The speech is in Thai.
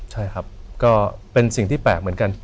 ใช่ครับก็เป็นสิ่งที่แปลกเหมือนกัน